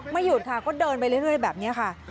หยุดค่ะก็เดินไปเรื่อยแบบนี้ค่ะ